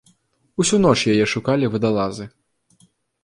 Усю ноч яе шукалі вадалазы.